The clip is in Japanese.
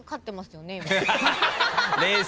冷静。